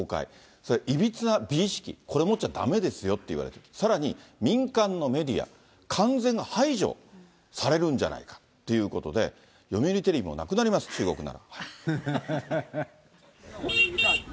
それからいびつな美意識、これ持っちゃだめですよという、さらに、民間のメディア、完全排除されるんじゃないかということで、読売テレビもなくなります、中国なら。